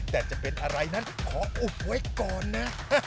แต่จะเป็นอะไรนั้นขออุบไว้ก่อนนะ